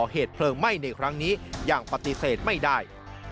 เหตุเพลิงไหม้ในครั้งนี้อย่างปฏิเสธไม่ได้